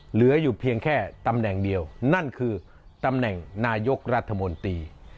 เหลืออยู่เพียงแค่ตำแหน่งเดียวนั่นคือตำแหน่งนายกรัฐมนตรี